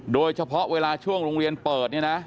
โดยเฉพาะเวลาช่วงโรงเรียนเปิดเนี่ยนะ